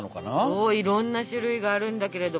そういろんな種類があるんだけれども。